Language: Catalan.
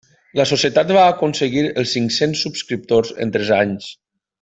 La Societat va aconseguir els cinc-cents subscriptors en tres anys.